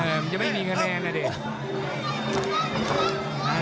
อื้อมันจะไม่มีแขนแรงอ่ะเด็ก